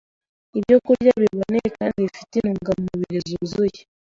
ibyokurya biboneye kandi bifite intungamubiri zuzuye